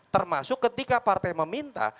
termasuk ketika partai meminta